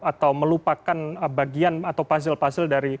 atau melupakan bagian atau fasil fasil dari sebuah fakta begitu prof